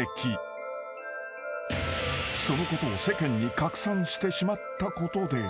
［そのことを世間に拡散してしまったことで］